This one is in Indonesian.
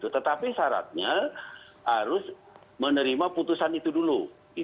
tetapi syaratnya harus menerima putusan itu dulu